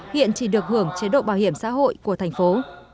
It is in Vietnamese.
hiện chỉ được hưởng chế độ bảo hiểm xã hội của thành phố